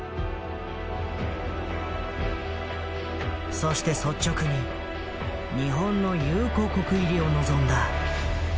そして率直に日本の友好国入りを望んだ。